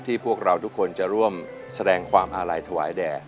พวกเราทุกคนจะร่วมแสดงความอาลัยถวายแด่